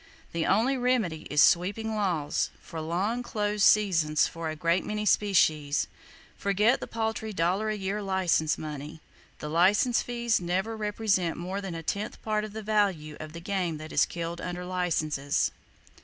The only remedy is sweeping laws, for long close seasons, for a great many species. Forget the paltry dollar a year license money. The license fees never represent more than a tenth part of the value of the game that is killed under licenses.